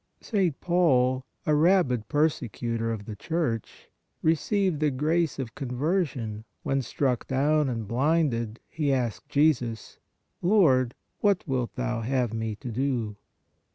St. Paul, a rabid per secutor of the Church, received the grace of con version when, struck down and blinded, he asked Jesus :" Lord, what wilt Thou have me to do